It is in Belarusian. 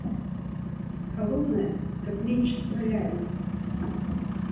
Галоўнае, каб менш стралялі.